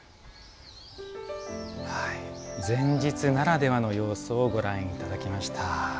前日ならではの様子をご覧いただきました。